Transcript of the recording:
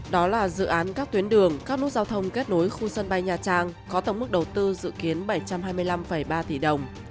đó là dự án các tuyến đường các nút giao thông kết nối khu sân bay nhà trang có tổng mức đầu tư dự kiến bảy trăm hai mươi năm ba tỷ đồng